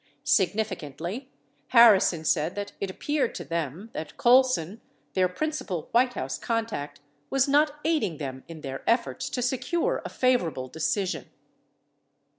Significantly, Harrison said that it appeared to them that Colson, their principal White House contact, was not aiding them in their efforts to secure a favorable decision.